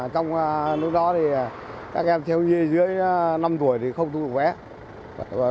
trong lúc đó thì các em theo như dưới năm tuổi thì không thu được vé